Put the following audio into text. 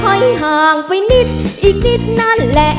ห่างไปนิดอีกนิดนั่นแหละ